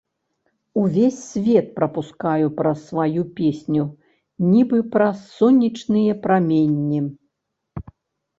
Увесь свет прапускаю праз сваю песню, нібы праз сонечныя праменні.